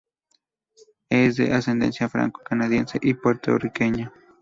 Es de ascendencia franco-canadiense y puertorriqueña.